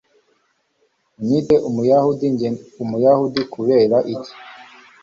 Unyite Umuyahudi Njye Umuyahudi Kubera iki